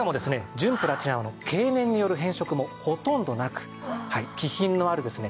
純プラチナは経年による変色もほとんどなく気品のあるですね